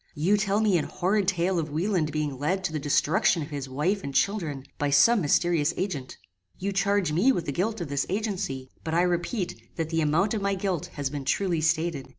You tell me an horrid tale of Wieland being led to the destruction of his wife and children, by some mysterious agent. You charge me with the guilt of this agency; but I repeat that the amount of my guilt has been truly stated.